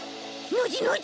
ノジノジ？